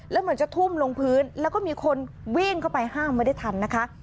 แล้วเหมือนจะทุ่มลงพื้นแล้วก็มีคนวิ่งเข้าไปห้ามไว้ได้ทันนะคะ